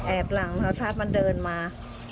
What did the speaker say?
แอบหลังจำเทิดมันเติบมา